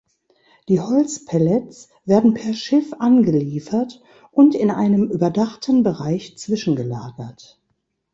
Die Holzpellets werden per Schiff angeliefert und in einem überdachten Bereich zwischengelagert.